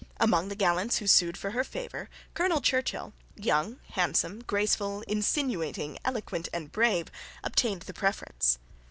Among the gallants who sued for her favour, Colonel Churchill, young, handsome, graceful, insinuating, eloquent and brave, obtained the preference.